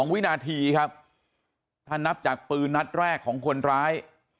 วินาทีครับถ้านับจากปืนนัดแรกของคนร้าย